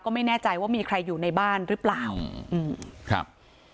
ไม่แน่ใจว่ามีใครอยู่ในบ้านหรือเปล่าอืมครับ